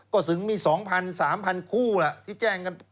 ก็ถึงมี๒๐๐๓๐๐คู่ล่ะที่แจ้งกัน